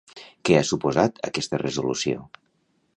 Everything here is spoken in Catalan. Què ha suposat aquesta resolució?